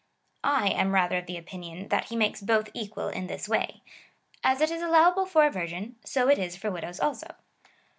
I am rather of opinion, that lie makes both equal in tliis way :" As it is allowable for a virgin, so is it for widows also."